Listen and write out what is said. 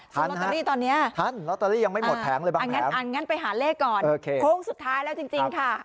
ทันฮะทันลอตเตอรี่ตอนนี้อันงั้นไปหาเลขก่อนโค้งสุดท้ายแล้วจริงค่ะ